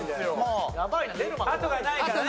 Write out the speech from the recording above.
後がないからね。